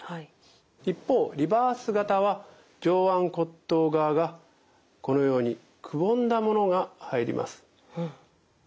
一方リバース型は上腕骨頭側がこのようにくぼんだものが入ります。